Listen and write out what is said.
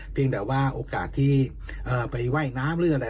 เพียงแต่ว่าโอกาสที่ไปว่ายน้ำหรืออะไร